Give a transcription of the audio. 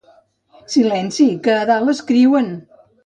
Silenci, que a dalt escriuen!